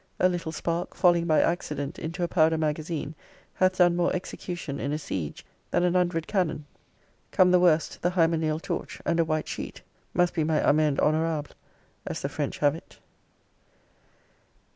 A little spark falling by accident into a powder magazine, hath done more execution in a siege, than an hundred cannon. Come the worst, the hymeneal torch, and a white sheet, must be my amende honorable, as the French have it.